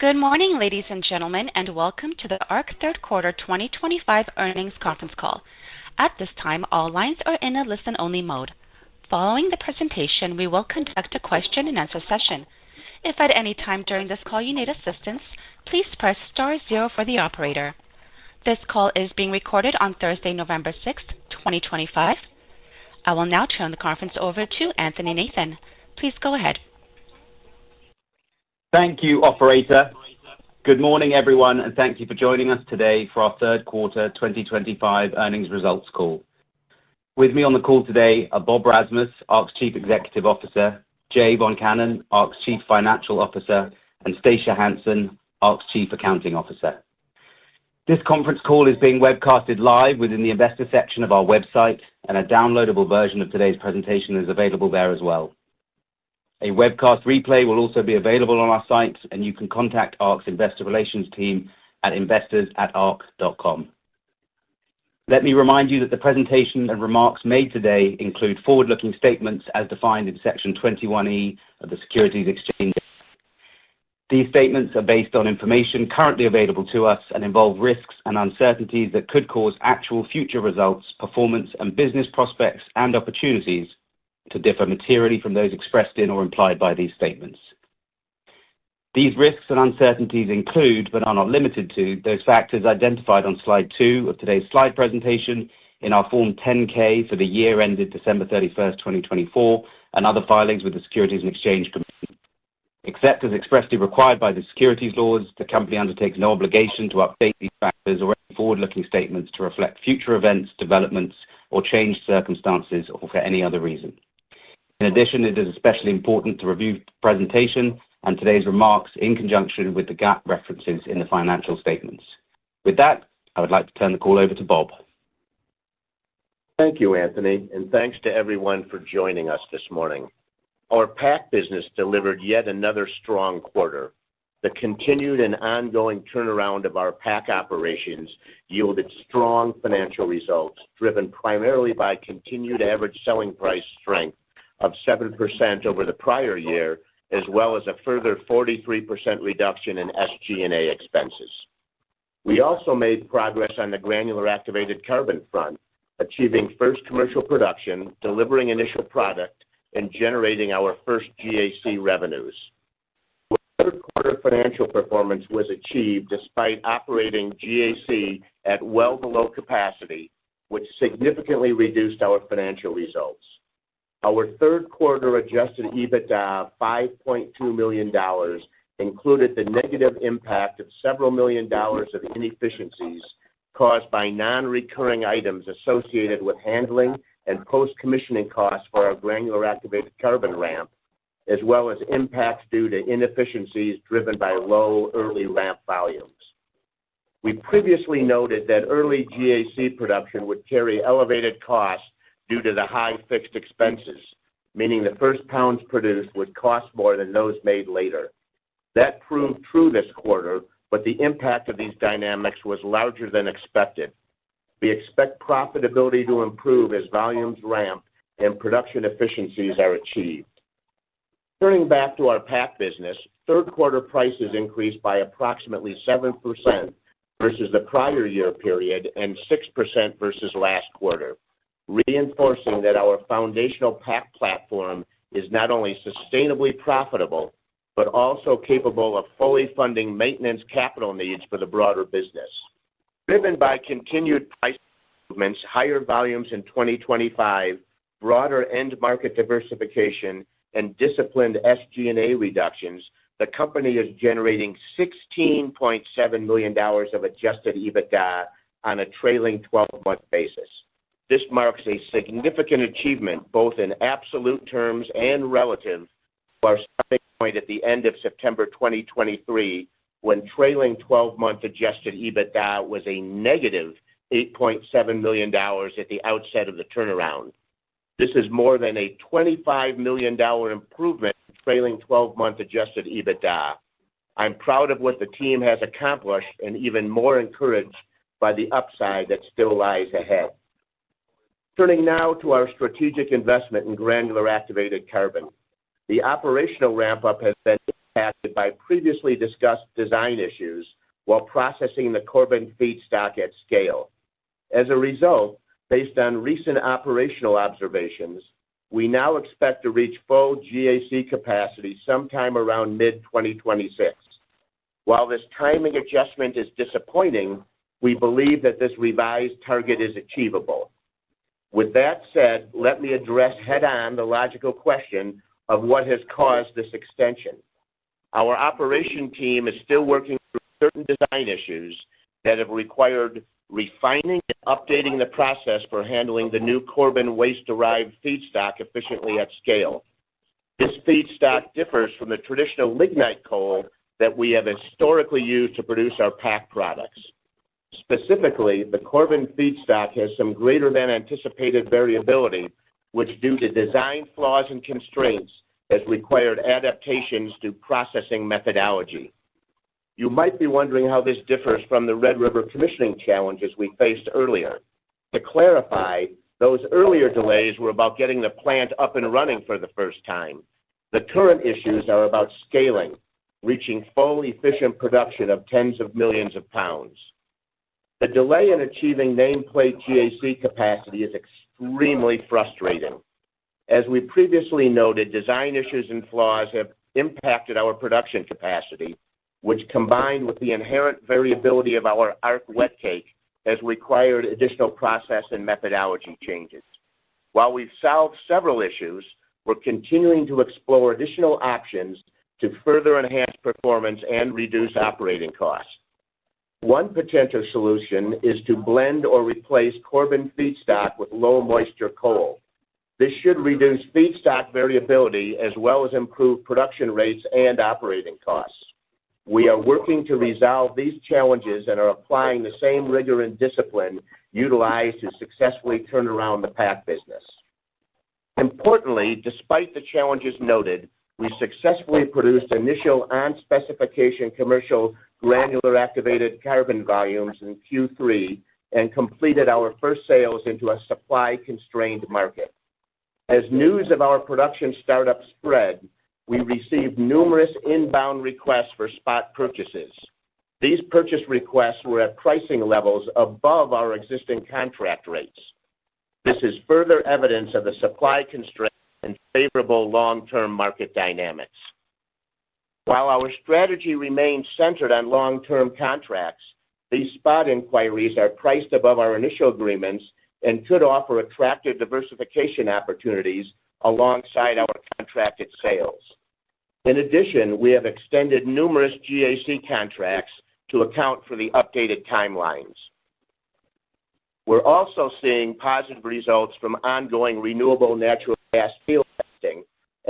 Good morning, ladies and gentlemen, and welcome to the Arq third quarter 2025 earnings conference call. At this time, all lines are in a listen-only mode. Following the presentation, we will conduct a question-and-answer session. If at any time during this call you need assistance, please press star zero for the operator. This call is being recorded on Thursday, November 6th, 2025. I will now turn the conference over to Anthony Nathan. Please go ahead. Thank you, operator. Good morning, everyone, and thank you for joining us today for our Third Quarter 2025 earnings results call. With me on the call today are Bob Rasmus, Arq's Chief Executive Officer, Jay Voncannon, Arq's Chief Financial Officer, and Stacia Hansen, Arq's Chief Accounting Officer. This conference call is being webcast live within the investor section of our website, and a downloadable version of today's presentation is available there as well. A webcast replay will also be available on our site, and you can contact Arq's investor relations team at investors@arq.com. Let me remind you that the presentation and remarks made today include forward-looking statements as defined in Section 21E of the Securities Exchange. These statements are based on information currently available to us and involve risks and uncertainties that could cause actual future results, performance, and business prospects and opportunities to differ materially from those expressed in or implied by these statements. These risks and uncertainties include, but are not limited to, those factors identified on slide two of today's slide presentation in our Form 10-K for the year ended December 31, 2024, and other filings with the Securities and Exchange Commission. Except as expressly required by the securities laws, the company undertakes no obligation to update these factors or any forward-looking statements to reflect future events, developments, or changed circumstances or for any other reason. In addition, it is especially important to review the presentation and today's remarks in conjunction with the GAAP references in the financial statements. With that, I would like to turn the call over to Bob. Thank you, Anthony, and thanks to everyone for joining us this morning. Our PAC business delivered yet another strong quarter. The continued and ongoing turnaround of our PAC operations yielded strong financial results driven primarily by continued average selling price strength of 7% over the prior year, as well as a further 43% reduction in SG&A expenses. We also made progress on the granular activated carbon front, achieving first commercial production, delivering initial product, and generating our first GAC revenues. Our third-quarter financial performance was achieved despite operating GAC at well below capacity, which significantly reduced our financial results. Our third-quarter adjusted EBITDA of $5.2 million included the negative impact of several million dollars of inefficiencies caused by non-recurring items associated with handling and post-commissioning costs for our granular activated carbon ramp, as well as impacts due to inefficiencies driven by low early ramp volumes. We previously noted that early GAC production would carry elevated costs due to the high fixed expenses, meaning the first pounds produced would cost more than those made later. That proved true this quarter, but the impact of these dynamics was larger than expected. We expect profitability to improve as volumes ramp and production efficiencies are achieved. Turning back to our PAC business, third-quarter prices increased by approximately 7% versus the prior year period and 6% versus last quarter, reinforcing that our foundational PAC platform is not only sustainably profitable but also capable of fully funding maintenance capital needs for the broader business. Driven by continued price movements, higher volumes in 2025, broader end-market diversification, and disciplined SG&A reductions, the company is generating $16.7 million of adjusted EBITDA on a trailing 12-month basis. This marks a significant achievement both in absolute terms and relative to our starting point at the end of September 2023, when trailing 12-month adjusted EBITDA was a negative $8.7 million at the outset of the turnaround. This is more than a $25 million improvement trailing 12-month adjusted EBITDA. I'm proud of what the team has accomplished and even more encouraged by the upside that still lies ahead. Turning now to our strategic investment in granular activated carbon, the operational ramp-up has been impacted by previously discussed design issues while processing the carbon feedstock at scale. As a result, based on recent operational observations, we now expect to reach full GAC capacity sometime around mid-2026. While this timing adjustment is disappointing, we believe that this revised target is achievable. With that said, let me address head-on the logical question of what has caused this extension. Our operation team is still working through certain design issues that have required refining and updating the process for handling the new carbon waste-derived feedstock efficiently at scale. This feedstock differs from the traditional lignite coal that we have historically used to produce our PAC products. Specifically, the carbon feedstock has some greater-than-anticipated variability, which, due to design flaws and constraints, has required adaptations to processing methodology. You might be wondering how this differs from the Red River commissioning challenges we faced earlier. To clarify, those earlier delays were about getting the plant up and running for the first time. The current issues are about scaling, reaching full efficient production of tens of millions of pounds. The delay in achieving nameplate GAC capacity is extremely frustrating. As we previously noted, design issues and flaws have impacted our production capacity, which, combined with the inherent variability of our Arq Wet Cake, has required additional process and methodology changes. While we've solved several issues, we're continuing to explore additional options to further enhance performance and reduce operating costs. One potential solution is to blend or replace carbon feedstock with low-moisture coal. This should reduce feedstock variability as well as improve production rates and operating costs. We are working to resolve these challenges and are applying the same rigor and discipline utilized to successfully turn around the PAC business. Importantly, despite the challenges noted, we successfully produced initial on-specification commercial granular activated carbon volumes in Q3 and completed our first sales into a supply-constrained market. As news of our production startup spread, we received numerous inbound requests for spot purchases. These purchase requests were at pricing levels above our existing contract rates. This is further evidence of the supply constraints and favorable long-term market dynamics. While our strategy remains centered on long-term contracts, these spot inquiries are priced above our initial agreements and could offer attractive diversification opportunities alongside our contracted sales. In addition, we have extended numerous GAC contracts to account for the updated timelines. We're also seeing positive results from ongoing renewable natural gas field testing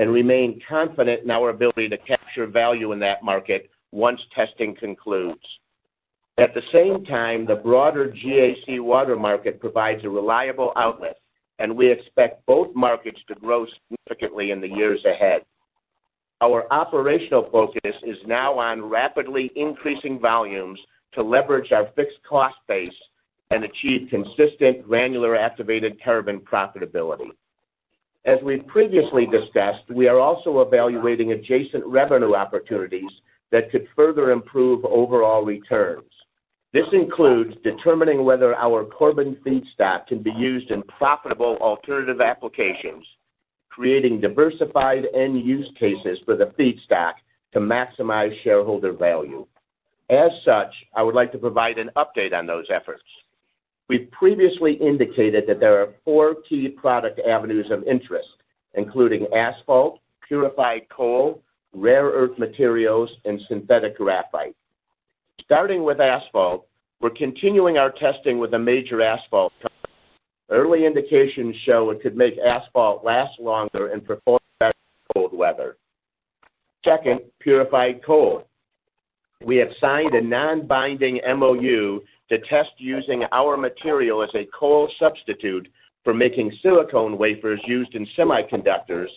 and remain confident in our ability to capture value in that market once testing concludes. At the same time, the broader GAC water market provides a reliable outlet, and we expect both markets to grow significantly in the years ahead. Our operational focus is now on rapidly increasing volumes to leverage our fixed cost base and achieve consistent granular activated carbon profitability. As we previously discussed, we are also evaluating adjacent revenue opportunities that could further improve overall returns. This includes determining whether our carbon feedstock can be used in profitable alternative applications, creating diversified end-use cases for the feedstock to maximize shareholder value. As such, I would like to provide an update on those efforts. We've previously indicated that there are four key product avenues of interest, including asphalt, purified coal, rare earth materials, and synthetic graphite. Starting with asphalt, we're continuing our testing with a major asphalt company. Early indications show it could make asphalt last longer and perform better in cold weather. Second, purified coal. We have signed a non-binding MOU to test using our material as a coal substitute for making silicone wafers used in semiconductors,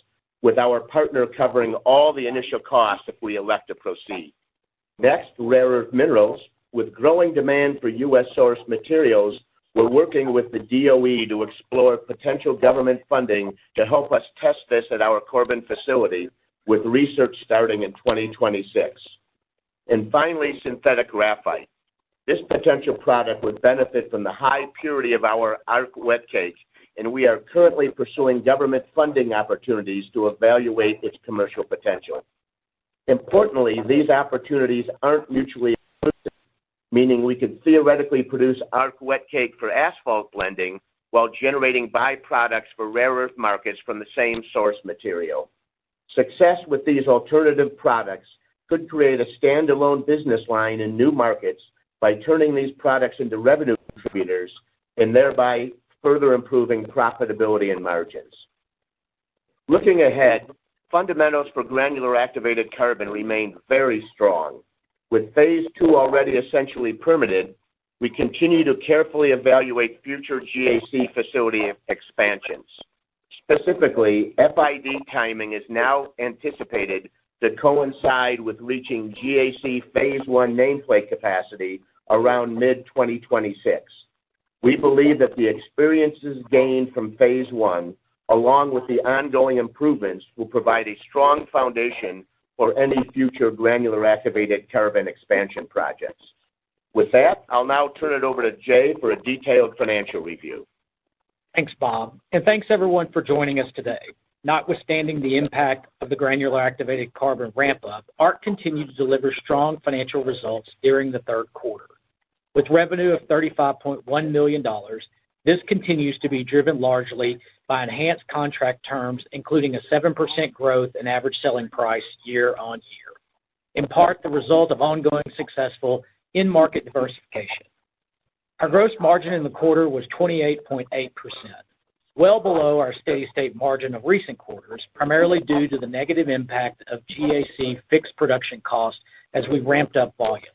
with our partner covering all the initial costs if we elect to proceed. Next, rare earth materials. With growing demand for U.S. Source materials, we're working with the DOE to explore potential government funding to help us test this at our carbon facility, with research starting in 2026. Finally, synthetic graphite. This potential product would benefit from the high purity of our Arq Wet Cake, and we are currently pursuing government funding opportunities to evaluate its commercial potential. Importantly, these opportunities aren't mutually exclusive, meaning we could theoretically produce Arq Wet Cake for asphalt blending while generating byproducts for rare earth markets from the same source material. Success with these alternative products could create a standalone business line in new markets by turning these products into revenue contributors and thereby further improving profitability and margins. Looking ahead, fundamentals for granular activated carbon remain very strong. With phase II already essentially permitted, we continue to carefully evaluate future GAC facility expansions. Specifically, FID timing is now anticipated to coincide with reaching GAC phase I nameplate capacity around mid-2026. We believe that the experiences gained from phase I, along with the ongoing improvements, will provide a strong foundation for any future granular activated carbon expansion projects. With that, I'll now turn it over to Jay for a detailed financial review. Thanks, Bob. Thanks, everyone, for joining us today. Notwithstanding the impact of the granular activated carbon ramp-up, Arq continued to deliver strong financial results during the third quarter. With revenue of $35.1 million, this continues to be driven largely by enhanced contract terms, including a 7% growth in average selling price year-on-year, in part the result of ongoing successful in-market diversification. Our gross margin in the quarter was 28.8%, well below our steady-state margin of recent quarters, primarily due to the negative impact of GAC fixed production costs as we ramped up volumes.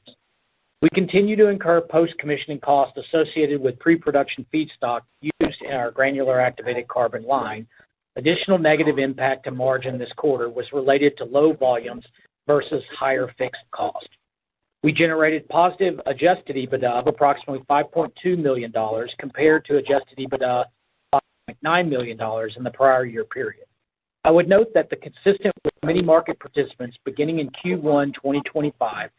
We continue to incur post-commissioning costs associated with pre-production feedstock used in our granular activated carbon line. Additional negative impact to margin this quarter was related to low volumes versus higher fixed cost. We generated positive adjusted EBITDA of approximately $5.2 million compared to adjusted EBITDA of $5.9 million in the prior year period. I would note that, consistent with many market participants beginning in Q1 2025,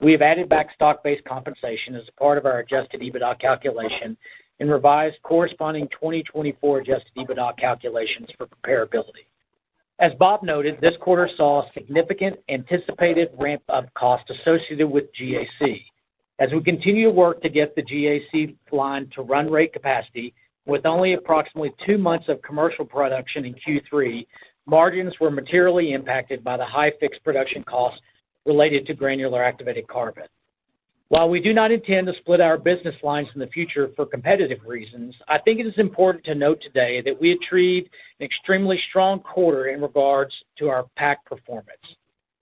we have added back stock-based compensation as a part of our adjusted EBITDA calculation and revised corresponding 2024 adjusted EBITDA calculations for preparability. As Bob noted, this quarter saw significant anticipated ramp-up costs associated with GAC. As we continue to work to get the GAC line to run rate capacity, with only approximately two months of commercial production in Q3, margins were materially impacted by the high fixed production costs related to granular activated carbon. While we do not intend to split our business lines in the future for competitive reasons, I think it is important to note today that we achieved an extremely strong quarter in regards to our PAC performance.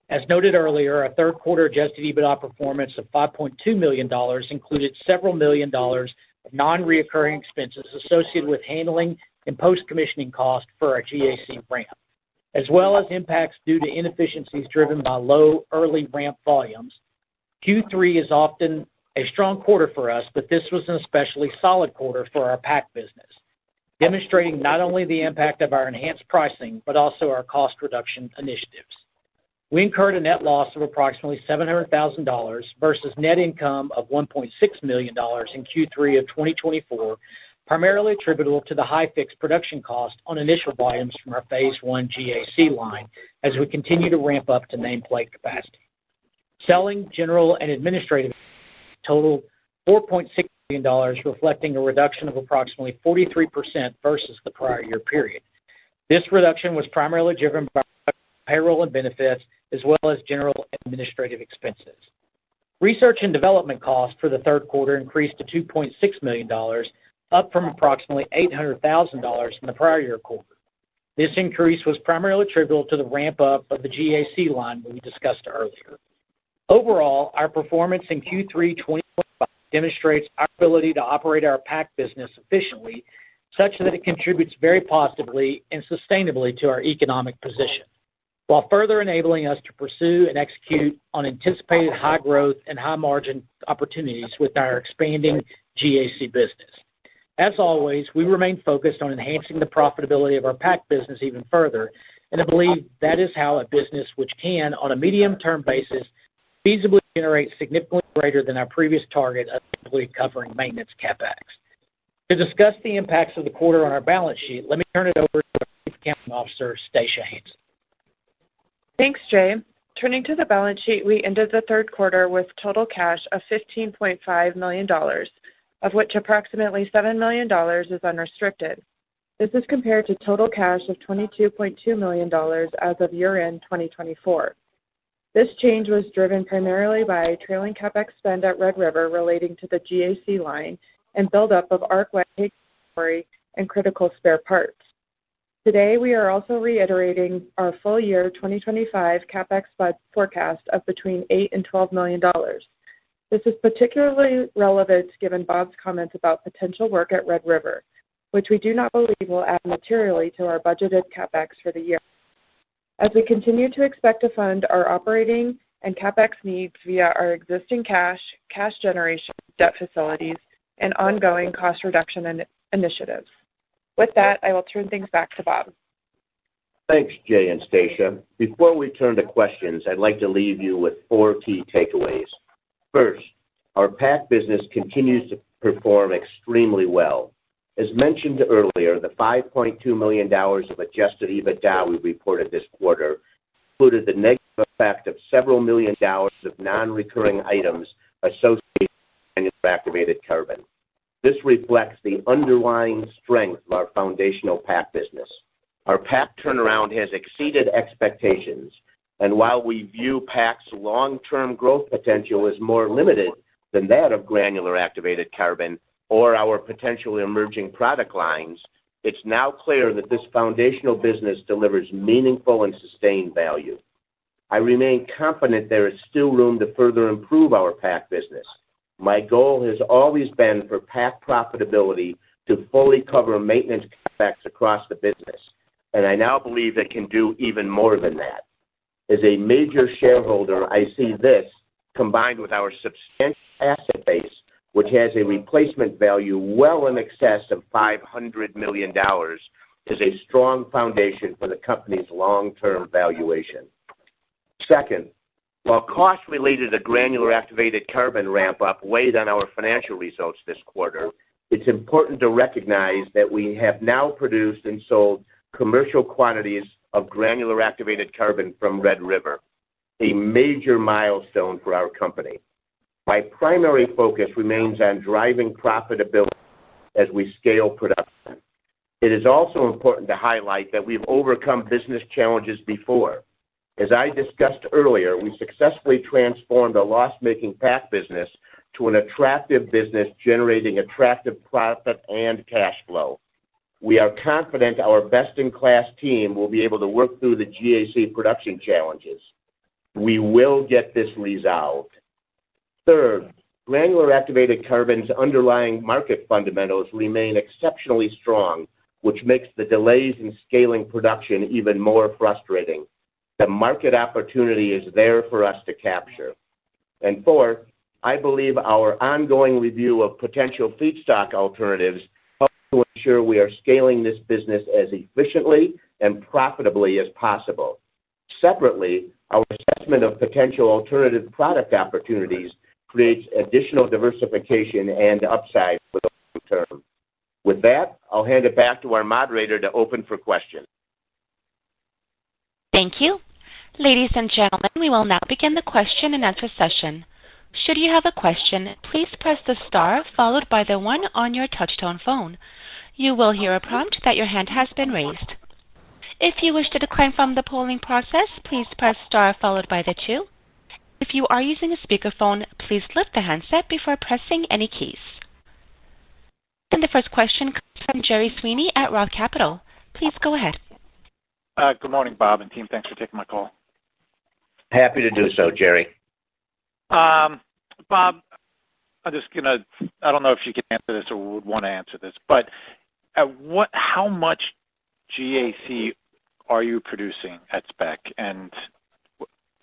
As noted earlier, our third-quarter adjusted EBITDA performance of $5.2 million included several million dollars of non-recurring expenses associated with handling and post-commissioning costs for our GAC ramp, as well as impacts due to inefficiencies driven by low early ramp volumes. Q3 is often a strong quarter for us, but this was an especially solid quarter for our PAC business, demonstrating not only the impact of our enhanced pricing but also our cost reduction initiatives. We incurred a net loss of approximately $700,000 versus net income of $1.6 million in Q3 of 2024, primarily attributable to the high fixed production costs on initial volumes from our Phase 1 GAC Line as we continue to ramp up to nameplate capacity. Selling, general, and administrative totaled $4.6 million, reflecting a reduction of approximately 43% versus the prior year period. This reduction was primarily driven by payroll and benefits as well as general administrative expenses. Research and development costs for the third quarter increased to $2.6 million, up from approximately $800,000 in the prior year quarter. This increase was primarily attributable to the ramp-up of the GAC line we discussed earlier. Overall, our performance in Q3 2025 demonstrates our ability to operate our PAC business efficiently such that it contributes very positively and sustainably to our economic position, while further enabling us to pursue and execute on anticipated high growth and high margin opportunities with our expanding GAC business. As always, we remain focused on enhancing the profitability of our PAC business even further, and I believe that is how a business which can, on a medium-term basis, feasibly generate significantly greater than our previous target of simply covering maintenance CapEx. To discuss the impacts of the quarter on our balance sheet, let me turn it over to our Chief Accounting Officer, Stacia Hansen. Thanks, Jay. Turning to the balance sheet, we ended the third quarter with total cash of $15.5 million, of which approximately $7 million is unrestricted. This is compared to total cash of $22.2 million as of year-end 2024. This change was driven primarily by trailing CapEx spend at Red River relating to the GAC line and build-up of Arq Wet Cake, delivery, and critical spare parts. Today, we are also reiterating our full year 2025 CapEx forecast of between $8 million and $12 million. This is particularly relevant given Bob's comments about potential work at Red River, which we do not believe will add materially to our budgeted CapEx for the year. As we continue to expect to fund our operating and CapEx needs via our existing cash, cash generation, debt facilities, and ongoing cost reduction initiatives. With that, I will turn things back to Bob. Thanks, Jay and Stacia. Before we turn to questions, I'd like to leave you with four key takeaways. First, our PAC business continues to perform extremely well. As mentioned earlier, the $5.2 million of adjusted EBITDA we reported this quarter included the negative effect of several million dollars of non-recurring items associated with granular activated carbon. This reflects the underlying strength of our foundational PAC business. Our PAC turnaround has exceeded expectations, and while we view PAC's long-term growth potential as more limited than that of granular activated carbon or our potential emerging product lines, it's now clear that this foundational business delivers meaningful and sustained value. I remain confident there is still room to further improve our PAC business. My goal has always been for PAC profitability to fully cover maintenance CapEx across the business, and I now believe it can do even more than that. As a major shareholder, I see this, combined with our substantial asset base, which has a replacement value well in excess of $500 million, as a strong foundation for the company's long-term valuation. Second, while costs related to granular activated carbon ramp-up weighed on our financial results this quarter, it's important to recognize that we have now produced and sold commercial quantities of granular activated carbon from Red River, a major milestone for our company. My primary focus remains on driving profitability as we scale production. It is also important to highlight that we've overcome business challenges before. As I discussed earlier, we successfully transformed a loss-making PAC business to an attractive business generating attractive profit and cash flow. We are confident our best-in-class team will be able to work through the GAC production challenges. We will get this resolved. Third, granular activated carbon's underlying market fundamentals remain exceptionally strong, which makes the delays in scaling production even more frustrating. The market opportunity is there for us to capture. Fourth, I believe our ongoing review of potential feedstock alternatives helps to ensure we are scaling this business as efficiently and profitably as possible. Separately, our assessment of potential alternative product opportunities creates additional diversification and upside for the long term. With that, I'll hand it back to our moderator to open for questions. Thank you. Ladies and gentlemen, we will now begin the question-and-answer session. Should you have a question, please press the star followed by the one on your touch-tone phone. You will hear a prompt that your hand has been raised. If you wish to decline from the polling process, please press star followed by the two. If you are using a speakerphone, please lift the handset before pressing any keys. The first question comes from Jerry Sweeney at Roth Capital. Please go ahead. Good morning, Bob and team. Thanks for taking my call. Happy to do so, Jerry. Bob, I'm just going to—I don't know if you can answer this or would want to answer this, but. How much GAC are you producing at spec?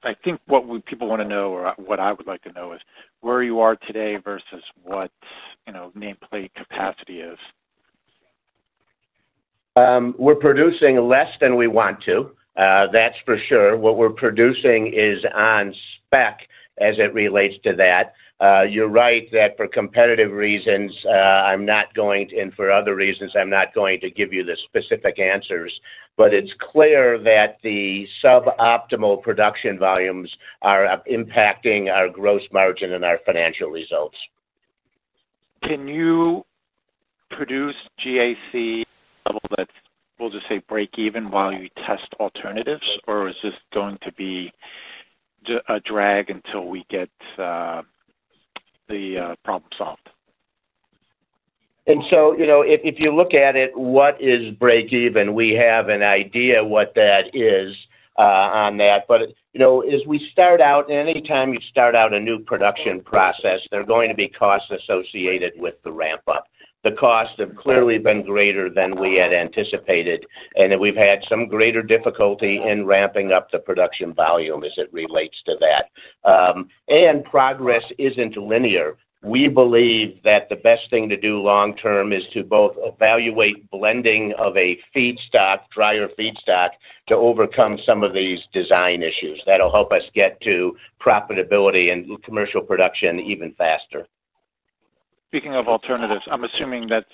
I think what people want to know, or what I would like to know, is where you are today versus what nameplate capacity is. We're producing less than we want to. That's for sure. What we're producing is on spec as it relates to that. You're right that for competitive reasons, I'm not going to, and for other reasons, I'm not going to give you the specific answers, but it's clear that the suboptimal production volumes are impacting our gross margin and our financial results. Can you produce GAC at a level that we'll just say break-even while you test alternatives, or is this going to be a drag until we get the problem solved? If you look at it, what is break-even? We have an idea of what that is on that. As we start out, anytime you start out a new production process, there are going to be costs associated with the ramp-up. The costs have clearly been greater than we had anticipated, and we've had some greater difficulty in ramping up the production volume as it relates to that. Progress is not linear. We believe that the best thing to do long-term is to both evaluate blending of a feedstock, drier feedstock, to overcome some of these design issues. That will help us get to profitability and commercial production even faster. Speaking of alternatives, I'm assuming that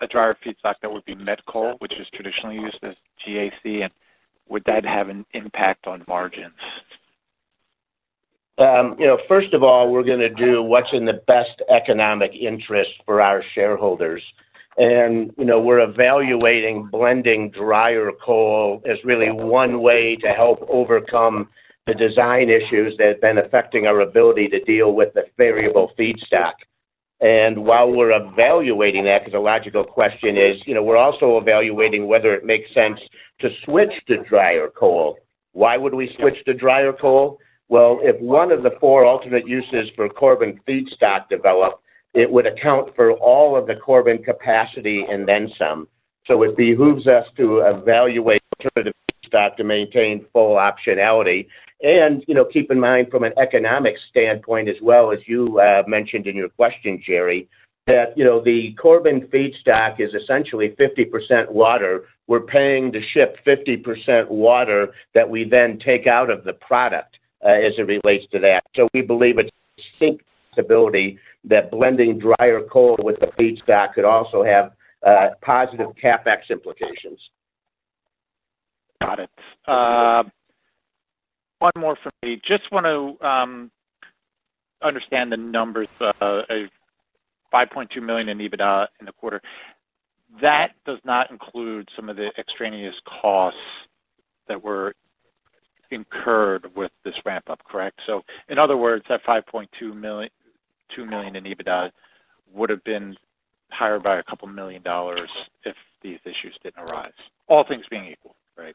a drier feedstock that would be met coal, which is traditionally used as GAC, and would that have an impact on margins? First of all, we're going to do what's in the best economic interest for our shareholders. We're evaluating blending drier coal as really one way to help overcome the design issues that have been affecting our ability to deal with the variable feedstock. While we're evaluating that, because the logical question is, we're also evaluating whether it makes sense to switch to drier coal. Why would we switch to drier coal? If one of the four alternate uses for carbon feedstock developed, it would account for all of the carbon capacity and then some. It behooves us to evaluate alternative feedstock to maintain full optionality. Keep in mind, from an economic standpoint as well, as you mentioned in your question, Jerry, that the carbon feedstock is essentially 50% water. We're paying to ship 50% water that we then take out of the product as it relates to that. We believe it's a distinct possibility that blending drier coal with the feedstock could also have positive CapEx implications. Got it. One more from me. Just want to understand the numbers. $5.2 million in EBITDA in the quarter. That does not include some of the extraneous costs that were incurred with this ramp-up, correct? In other words, that $5.2 million in EBITDA would have been higher by a couple of million dollars if these issues did not arise, all things being equal, right?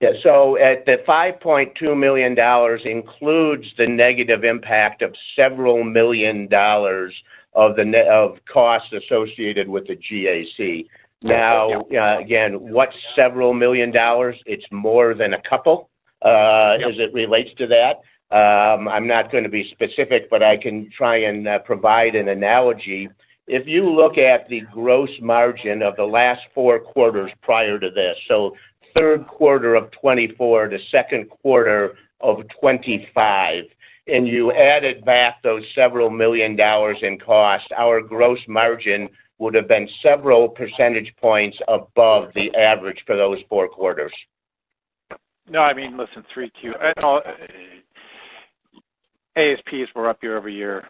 Yeah. So the $5.2 million includes the negative impact of several million dollars of costs associated with the GAC. Now, again, what's several million dollars? It's more than a couple as it relates to that. I'm not going to be specific, but I can try and provide an analogy. If you look at the gross margin of the last four quarters prior to this, so third quarter of 2024 to second quarter of 2025, and you added back those several million dollars in cost, our gross margin would have been several percentage points above the average for those four quarters. No, I mean, listen, 3Q. ASPs were up year-over-year, and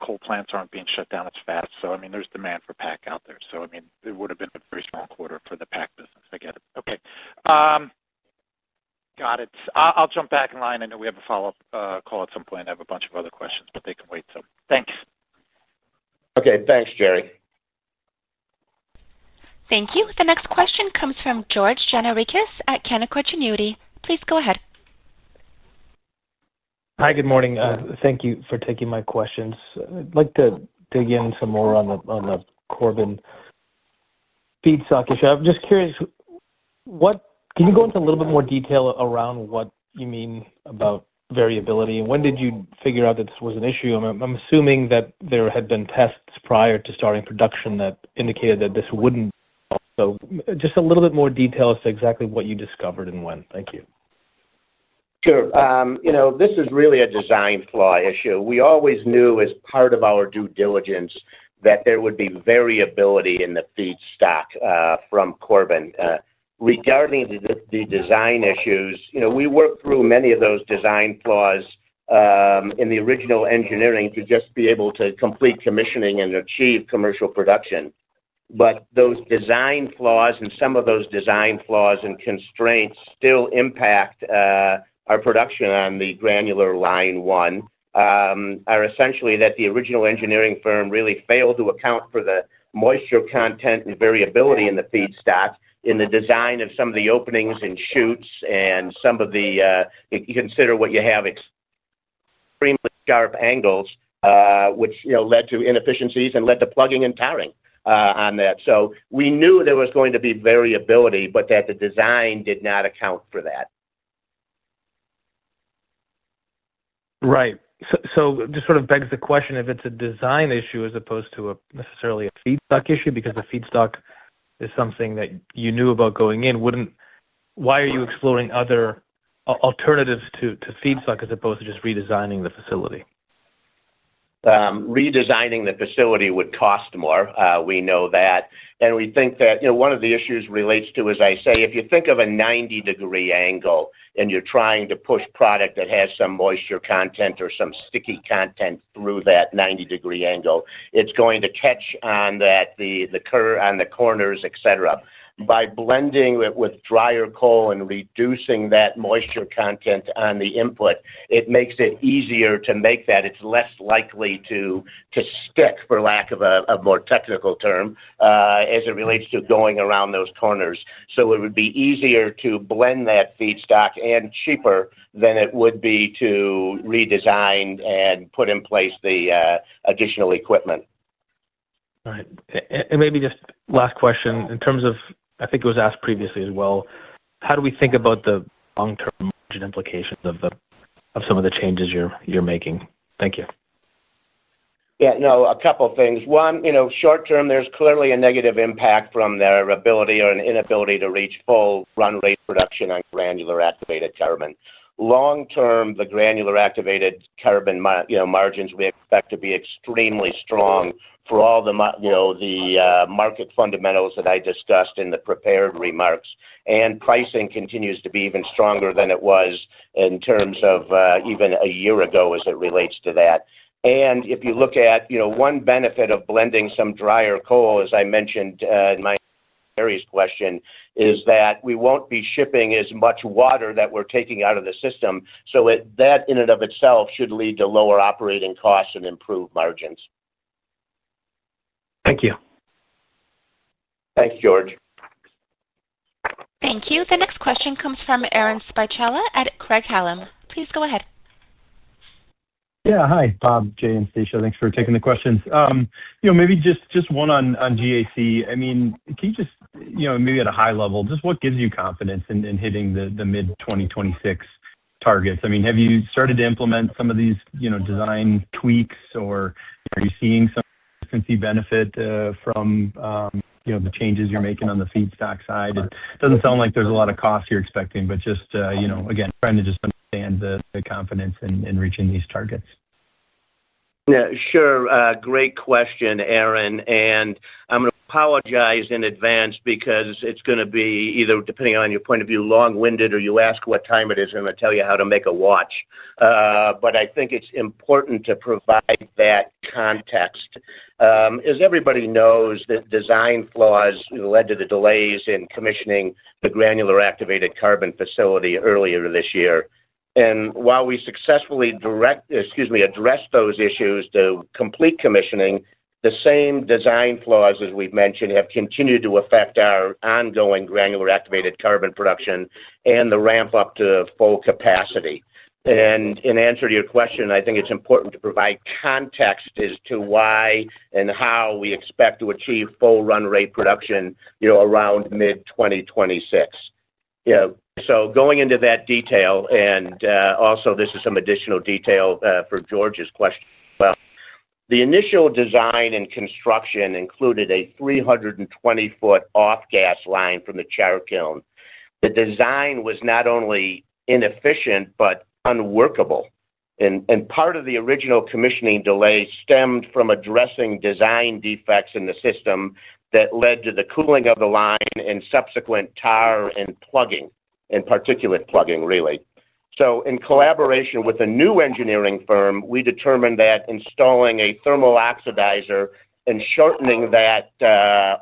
coal plants are not being shut down as fast. I mean, there is demand for PAC out there. I mean, it would have been a very strong quarter for the PAC business. I get it. Okay. Got it. I will jump back in line. I know we have a follow-up call at some point. I have a bunch of other questions, but they can wait, so thanks. Okay. Thanks, Jerry. Thank you. The next question comes from George Gianarikas at Canaccord Genuity. Please go ahead. Hi, good morning. Thank you for taking my questions. I'd like to dig in some more on the carbon feedstock issue. I'm just curious. Can you go into a little bit more detail around what you mean about variability? And when did you figure out that this was an issue? I'm assuming that there had been tests prior to starting production that indicated that this wouldn't, so just a little bit more detail as to exactly what you discovered and when. Thank you. Sure. This is really a design flaw issue. We always knew as part of our due diligence that there would be variability in the feedstock from carbon. Regarding the design issues, we worked through many of those design flaws. In the original engineering to just be able to complete commissioning and achieve commercial production. Those design flaws and some of those design flaws and constraints still impact our production on the Granular Line 1. Essentially, the original engineering firm really failed to account for the moisture content and variability in the feedstock in the design of some of the openings and chutes and some of the, you consider what you have, extremely sharp angles, which led to inefficiencies and led to plugging and tearing on that. We knew there was going to be variability, but the design did not account for that. Right. This sort of begs the question if it's a design issue as opposed to necessarily a feedstock issue, because the feedstock is something that you knew about going in. Why are you exploring other alternatives to feedstock as opposed to just redesigning the facility? Redesigning the facility would cost more. We know that. We think that one of the issues relates to, as I say, if you think of a 90-degree angle and you're trying to push product that has some moisture content or some sticky content through that 90-degree angle, it's going to catch on the curve, on the corners, etc. By blending it with drier coal and reducing that moisture content on the input, it makes it easier to make that. It's less likely to stick, for lack of a more technical term, as it relates to going around those corners. It would be easier to blend that feedstock and cheaper than it would be to redesign and put in place the additional equipment. All right. Maybe just last question in terms of—I think it was asked previously as well—how do we think about the long-term implications of some of the changes you're making? Thank you. Yeah. No, a couple of things. One, short term, there's clearly a negative impact from their ability or an inability to reach full run-rate production on granular activated carbon. Long term, the granular activated carbon margins we expect to be extremely strong for all the market fundamentals that I discussed in the prepared remarks. Pricing continues to be even stronger than it was in terms of even a year ago as it relates to that. If you look at one benefit of blending some drier coal, as I mentioned in my earlier question, it is that we won't be shipping as much water that we're taking out of the system. That in and of itself should lead to lower operating costs and improved margins. Thank you. Thanks, George. Thank you. The next question comes from Aaron Spizzirri at Craig-Hallum. Please go ahead. Yeah. Hi, Bob, Jay, and Stacia. Thanks for taking the questions. Maybe just one on GAC. I mean, can you just maybe at a high level, just what gives you confidence in hitting the mid-2026 targets? I mean, have you started to implement some of these design tweaks, or are you seeing some consistency benefit from the changes you're making on the feedstock side? It doesn't sound like there's a lot of costs you're expecting, but just, again, trying to just understand the confidence in reaching these targets. Yeah. Sure. Great question, Aaron. I'm going to apologize in advance because it's going to be either, depending on your point of view, long-winded, or you ask what time it is, and I'm going to tell you how to make a watch. I think it's important to provide that context. As everybody knows, the design flaws led to the delays in commissioning the granular activated carbon facility earlier this year. While we successfully addressed those issues to complete commissioning, the same design flaws, as we've mentioned, have continued to affect our ongoing granular activated carbon production and the ramp-up to full capacity. In answer to your question, I think it's important to provide context as to why and how we expect to achieve full run-rate production around mid-2026. Going into that detail, and also this is some additional detail for George's question as well, the initial design and construction included a 320-foot off-gas line from the Cherokee Oven. The design was not only inefficient but unworkable. Part of the original commissioning delay stemmed from addressing design defects in the system that led to the cooling of the line and subsequent tar and plugging, and particulate plugging, really. In collaboration with a new engineering firm, we determined that installing a thermal oxidizer and shortening that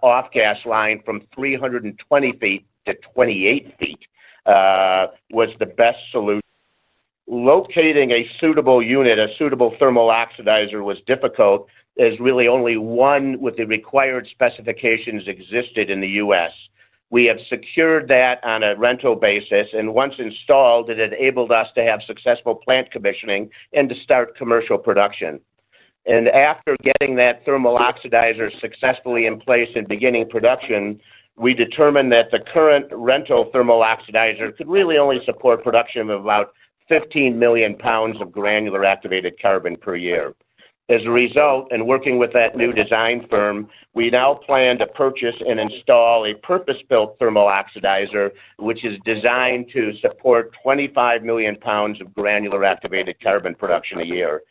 off-gas line from 320 feet to 28 feet was the best solution. Locating a suitable unit, a suitable thermal oxidizer, was difficult, as really only one with the required specifications existed in the U.S. We have secured that on a rental basis, and once installed, it enabled us to have successful plant commissioning and to start commercial production. After getting that thermal oxidizer successfully in place and beginning production, we determined that the current rental thermal oxidizer could really only support production of about 15 million lbs of granular activated carbon per year. As a result, in working with that new design firm, we now plan to purchase and install a purpose-built thermal oxidizer, which is designed to support 25 million lbs of granular activated carbon production a year.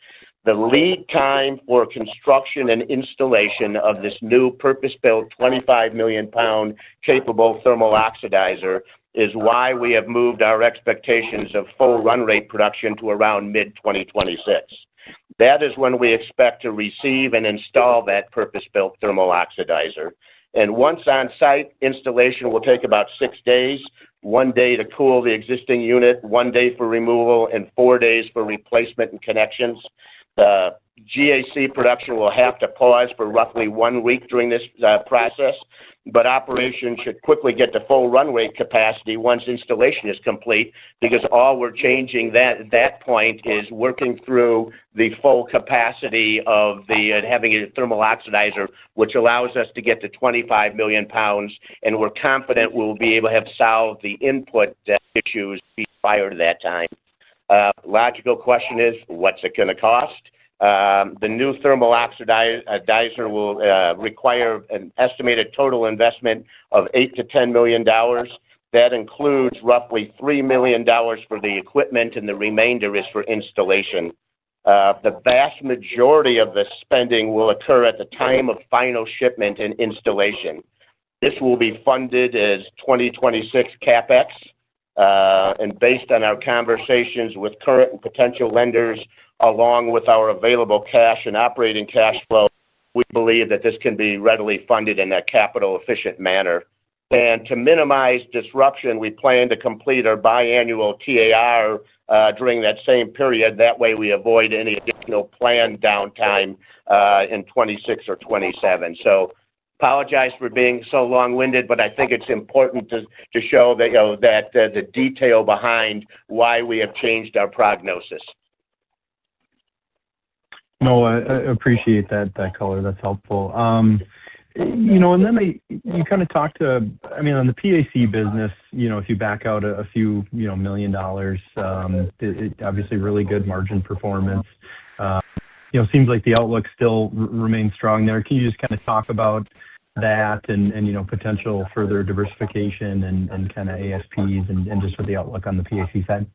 The lead time for construction and installation of this new purpose-built 25 million-lb capable thermal oxidizer is why we have moved our expectations of full run-rate production to around mid-2026. That is when we expect to receive and install that purpose-built thermal oxidizer. Once on-site, installation will take about six days: one day to cool the existing unit, one day for removal, and four days for replacement and connections. GAC production will have to pause for roughly one week during this process, but operations should quickly get to full run-rate capacity once installation is complete because all we're changing at that point is working through the full capacity of having a thermal oxidizer, which allows us to get to 25 million lbs. We're confident we'll be able to have solved the input issues prior to that time. Logical question is, what's it going to cost? The new thermal oxidizer will require an estimated total investment of $8million-$10 million. That includes roughly $3 million for the equipment, and the remainder is for installation. The vast majority of the spending will occur at the time of final shipment and installation. This will be funded as 2026 CapEx. Based on our conversations with current and potential lenders, along with our available cash and operating cash flow, we believe that this can be readily funded in a capital-efficient manner. To minimize disruption, we plan to complete our biannual TAR during that same period. That way, we avoid any additional planned downtime in 2026 or 2027. I apologize for being so long-winded, but I think it's important to show that. The detail behind why we have changed our prognosis. No, I appreciate that color. That's helpful. You kind of talked to—I mean, on the PAC business, if you back out a few million dollars. Obviously, really good margin performance. Seems like the outlook still remains strong there. Can you just kind of talk about that and potential further diversification and kind of ASPs and just what the outlook on the PAC said?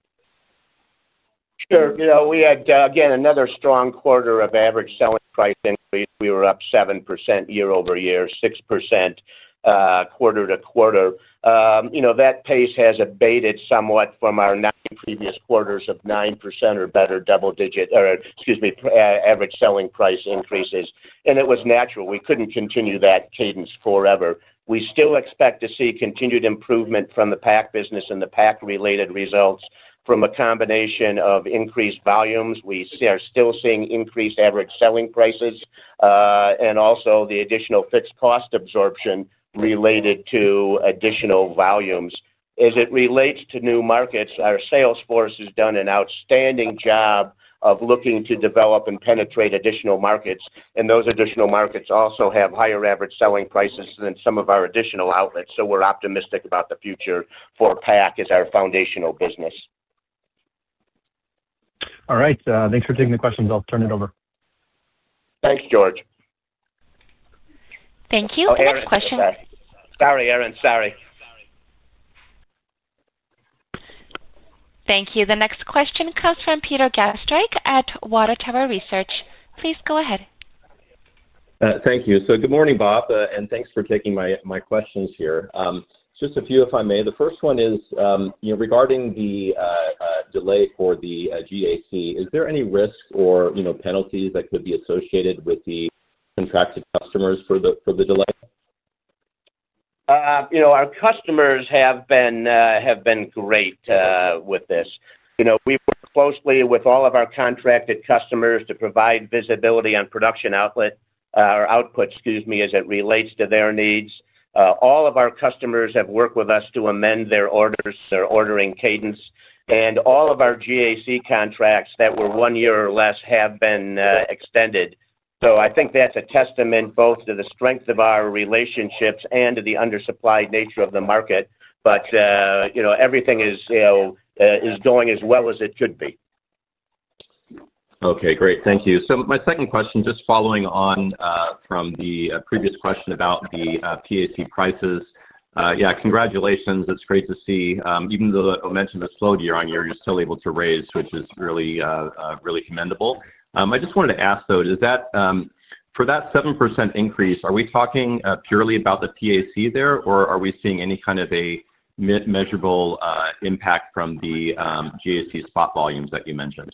Sure. We had, again, another strong quarter of average selling price increase. We were up 7% year-over-year, 6% quarter to quarter. That pace has abated somewhat from our nine previous quarters of 9% or better double-digit, excuse me, average selling price increases. It was natural. We could not continue that cadence forever. We still expect to see continued improvement from the PAC business and the PAC-related results from a combination of increased volumes. We are still seeing increased average selling prices, and also the additional fixed cost absorption related to additional volumes. As it relates to new markets, our sales force has done an outstanding job of looking to develop and penetrate additional markets. Those additional markets also have higher average selling prices than some of our additional outlets. We are optimistic about the future for PAC as our foundational business. All right. Thanks for taking the questions. I'll turn it over. Thanks, George. Thank you. Next question. Sorry, Aaron. Sorry. Thank you. The next question comes from Peter Gutsche at Watertower Research. Please go ahead. Thank you. Good morning, Bob. Thanks for taking my questions here. Just a few, if I may. The first one is regarding the delay for the GAC. Is there any risk or penalties that could be associated with the contracted customers for the delay? Our customers have been great with this. We work closely with all of our contracted customers to provide visibility on production output, excuse me, as it relates to their needs. All of our customers have worked with us to amend their orders, their ordering cadence. All of our GAC contracts that were one year or less have been extended. I think that's a testament both to the strength of our relationships and to the undersupplied nature of the market. Everything is going as well as it could be. Okay. Great. Thank you. My second question, just following on from the previous question about the PAC prices. Yeah. Congratulations. It's great to see even though I mentioned a slow year-on-year, you're still able to raise, which is really, really commendable. I just wanted to ask, though, for that 7% increase, are we talking purely about the PAC there, or are we seeing any kind of a measurable impact from the GAC spot volumes that you mentioned?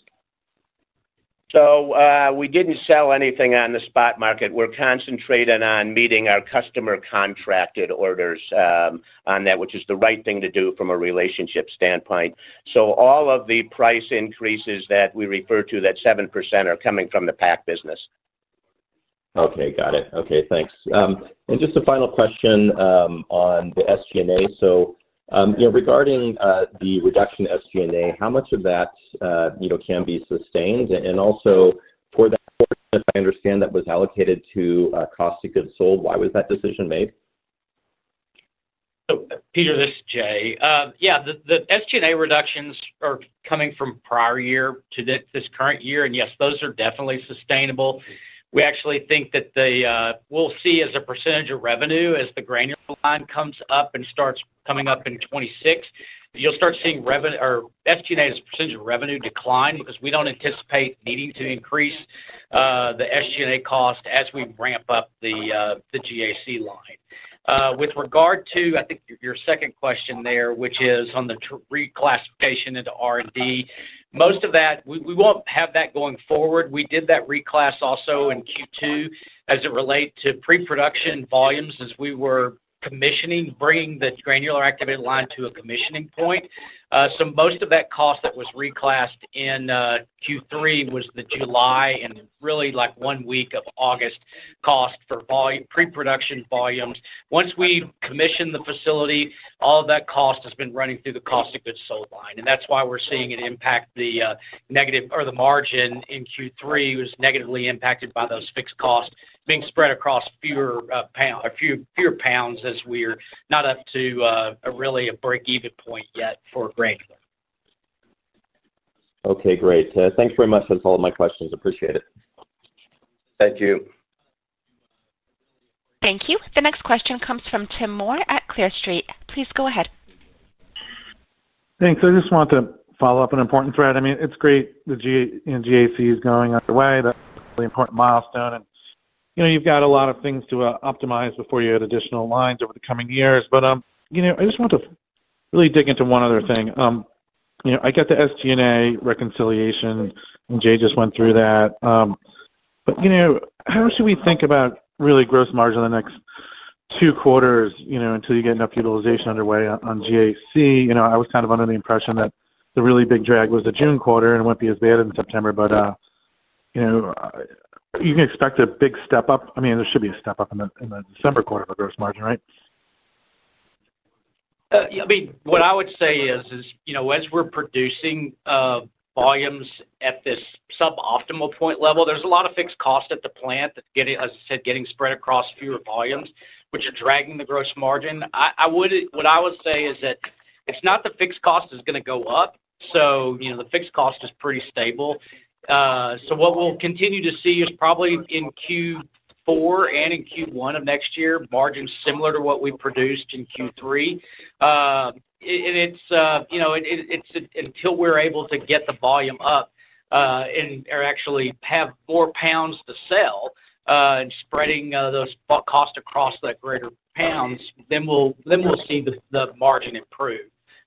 We did not sell anything on the spot market. We are concentrating on meeting our customer contracted orders on that, which is the right thing to do from a relationship standpoint. All of the price increases that we refer to, that 7%, are coming from the PAC business. Okay. Got it. Okay. Thanks. Just a final question on the SG&A. Regarding the reduction in SG&A, how much of that can be sustained? Also, for that portion, if I understand, that was allocated to cost of goods sold, why was that decision made? Peter, this is Jay. Yeah. The SG&A reductions are coming from prior year to this current year. Yes, those are definitely sustainable. We actually think that we'll see as a percentage of revenue as the granular line comes up and starts coming up in 2026, you'll start seeing SG&A as a percentage of revenue decline because we don't anticipate needing to increase the SG&A cost as we ramp up the GAC line. With regard to, I think, your second question there, which is on the reclassification into R&D, most of that, we won't have that going forward. We did that reclass also in Q2 as it relates to pre-production volumes as we were commissioning, bringing the granular activated line to a commissioning point. Most of that cost that was reclassed in Q3 was the July and really like one week of August cost for pre-production volumes. Once we commissioned the facility, all of that cost has been running through the cost of goods sold line. That is why we are seeing it impact the negative, or the margin in Q3 was negatively impacted by those fixed costs being spread across fewer pounds as we are not up to really a break-even point yet for granular. Okay. Great. Thanks very much. That's all of my questions. Appreciate it. Thank you. Thank you. The next question comes from Tim Moore at Clear Street. Please go ahead. Thanks. I just want to follow up an important thread. I mean, it's great the GAC is going underway. That's a really important milestone. And you've got a lot of things to optimize before you add additional lines over the coming years. I just want to really dig into one other thing. I got the SG&A reconciliation, and Jay just went through that. How should we think about really gross margin in the next two quarters until you get enough utilization underway on GAC? I was kind of under the impression that the really big drag was the June quarter, and it won't be as bad in September. You can expect a big step up. I mean, there should be a step up in the December quarter for gross margin, right? I mean, what I would say is, as we're producing volumes at this suboptimal point level, there's a lot of fixed cost at the plant that's, as I said, getting spread across fewer volumes, which are dragging the gross margin. What I would say is that it's not the fixed cost that's going to go up. The fixed cost is pretty stable. What we'll continue to see is probably in Q4 and in Q1 of next year, margins similar to what we produced in Q3. Until we're able to get the volume up and actually have more pounds to sell and spreading those costs across that greater pounds, then we'll see the margin improve.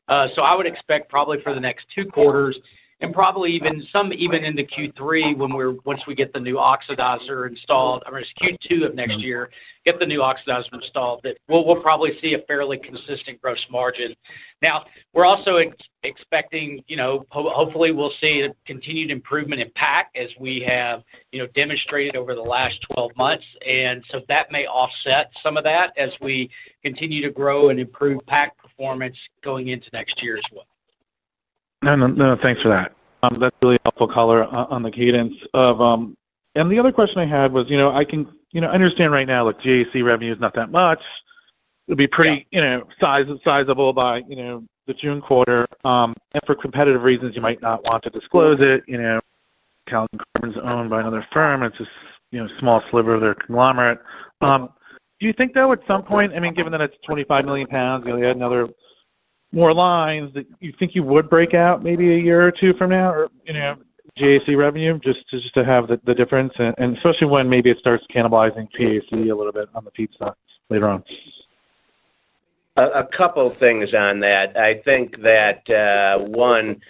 I would expect probably for the next two quarters and probably even in the Q3, once we get the new oxidizer installed, or it is Q2 of next year, get the new oxidizer installed, that we will probably see a fairly consistent gross margin. Now, we are also expecting. Hopefully, we will see a continued improvement in PAC as we have demonstrated over the last 12 months. That may offset some of that as we continue to grow and improve PAC performance going into next year as well. No, thanks for that. That's really helpful color on the cadence. The other question I had was, I understand right now GAC revenue is not that much. It'll be pretty sizable by the June quarter. For competitive reasons, you might not want to disclose it. Calvin Carbon is owned by another firm. It's a small sliver of their conglomerate. Do you think though, at some point, I mean, given that it's 25 million lbs, you'll add another more lines that you think you would break out maybe a year or two from now, or GAC revenue, just to have the difference? Especially when maybe it starts cannibalizing PAC a little bit on the feedstock later on. A couple of things on that. I think that. One,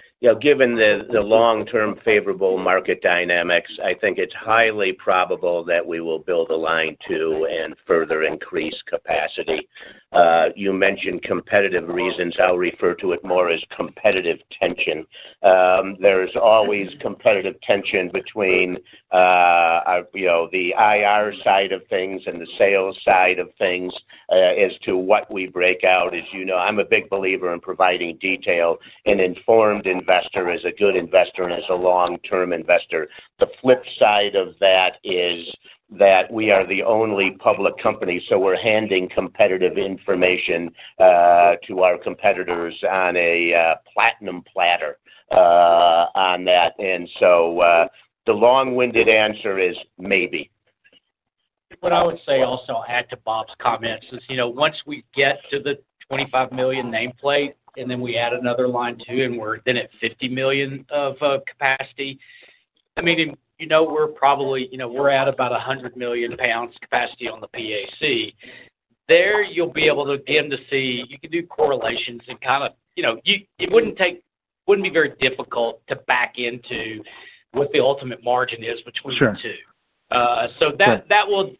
given the long-term favorable market dynamics, I think it's highly probable that we will build a line two and further increase capacity. You mentioned competitive reasons. I'll refer to it more as competitive tension. There is always competitive tension between the IR side of things and the sales side of things as to what we break out. As you know, I'm a big believer in providing detail. An informed investor is a good investor and is a long-term investor. The flip side of that is that we are the only public company, so we're handing competitive information to our competitors on a platinum platter. On that. And so. The long-winded answer is maybe. What I would say also, to add to Bob's comments, is once we get to the 25 million nameplate and then we add another line two and we're then at 50 million of capacity, I mean, we're probably at about 100 million lbs capacity on the PAC. There, you'll be able to begin to see, you can do correlations and kind of, it wouldn't be very difficult to back into what the ultimate margin is between the two. That will,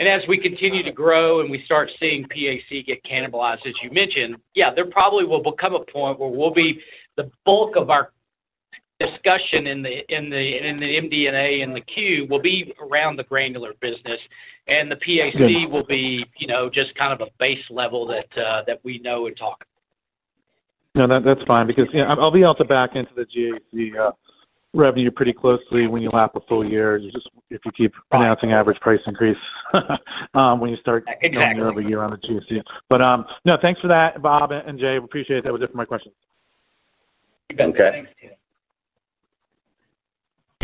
as we continue to grow and we start seeing PAC get cannibalized, as you mentioned, yeah, there probably will become a point where the bulk of our discussion in the MD&A and the Q will be around the granular business, and the PAC will be just kind of a base level that we know and talk about. No, that's fine because I'll be able to back into the GAC revenue pretty closely when you lap a full year, just if you keep announcing average price increase when you start. Exactly. Going over a year on the GAC. No, thanks for that, Bob and Jay. Appreciate it. That was it for my questions. Okay.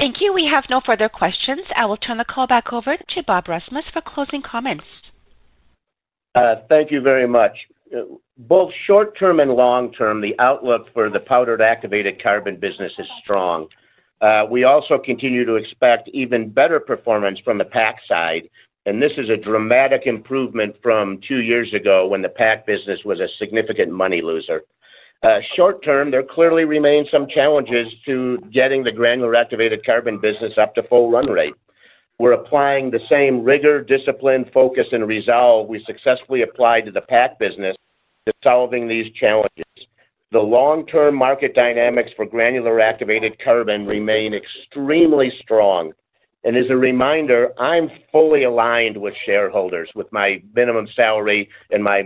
Thank you. We have no further questions. I will turn the call back over to Bob Rasmus for closing comments. Thank you very much. Both short-term and long-term, the outlook for the powdered activated carbon business is strong. We also continue to expect even better performance from the PAC side. This is a dramatic improvement from two years ago when the PAC business was a significant money loser. Short-term, there clearly remain some challenges to getting the granular activated carbon business up to full run rate. We are applying the same rigor, discipline, focus, and resolve we successfully applied to the PAC business to solving these challenges. The long-term market dynamics for granular activated carbon remain extremely strong. As a reminder, I am fully aligned with shareholders with my minimum salary and my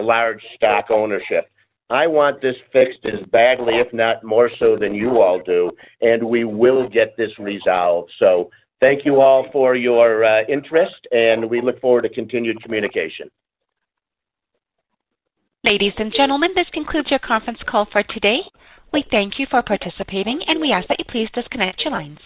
large stock ownership. I want this fixed as badly, if not more so than you all do. We will get this resolved. Thank you all for your interest, and we look forward to continued communication. Ladies and gentlemen, this concludes your conference call for today. We thank you for participating, and we ask that you please disconnect your lines.